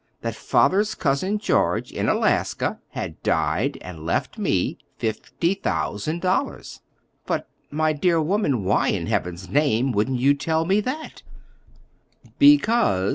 That father's Cousin George in Alaska had died and left me—fifty thousand dollars." "But, my dear woman, why in Heaven's name wouldn't you tell me that?" "Because."